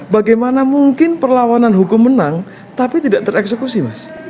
bagaimana mungkin perlawanan hukum menang tapi tidak tereksekusi mas